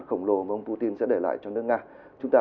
ông putin sẽ để lại cho nước nga chúng ta